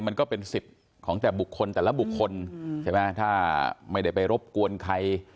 มันก็เป็นสิทธิ์ของแต่บุคคลแต่ละบุคคลใช่ไหมถ้าไม่ได้ไปรบกวนใคร